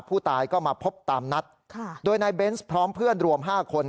ผู้ตายก็มาพบตามนัดค่ะโดยนายเบนส์พร้อมเพื่อนรวม๕คน